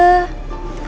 aku nggak mau tante